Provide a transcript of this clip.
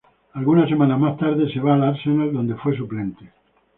Algunas semanas más tarde, se va al Arsenal donde fue suplente.